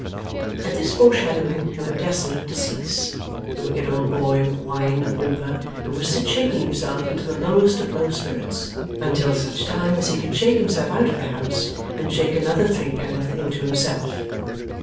At this foreshadowing of a desolate decease, the wicked old boy would whine and whimper, and would sit shaking himself into the lowest of low spirits, until such time as he could shake himself out of the house and shake another threepennyworth into himself.